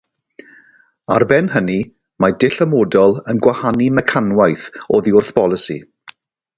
Ar ben hynny mae dull amodol yn gwahanu mecanwaith oddi wrth bolisi.